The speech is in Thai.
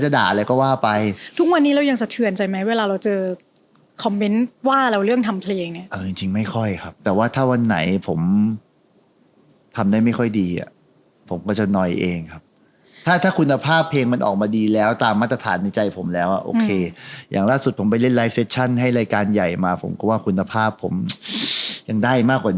โดยที่เราไม่มีจัตนาจะอวดรวยหรอกนะ